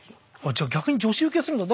じゃあ逆に女子ウケするんだ。